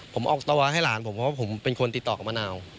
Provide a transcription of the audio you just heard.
ผมออกสตาวาสให้หลานผมเพราะว่าผมเป็นคนติดต่อกับมะนาว